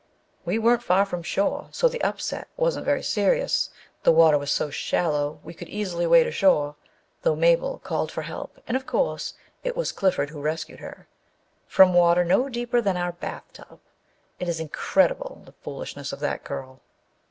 We weren't far from shore, so the upset wasn't very serious. The water was so shallow we could easily wade ashore, though Mabel called for help, and, of course, it was Clifford who rescued her â from water no deeper than our bathtub ! It is incredible, the foolishness of that girl